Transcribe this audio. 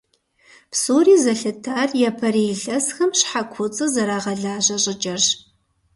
Псори зэлъытар япэрей илъэсхэм щхьэ куцӀыр зэрагъэлажьэ щӀыкӀэрщ.